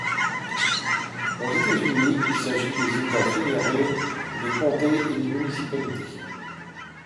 Aux États-Unis, il s’agit des États fédérés, des comtés et des municipalités.